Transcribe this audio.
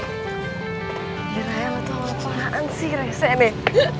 gila ya lo tau apaan sih rese nih